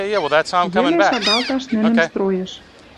Йӹле шагалташ нӹнӹм стройыш.